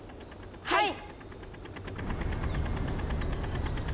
はい！